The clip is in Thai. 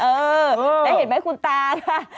เออได้เห็นไหมคุณตา